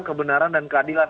kebenaran dan keadilan